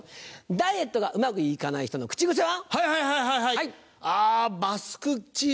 ダイエットがうまく行かない人の口癖は？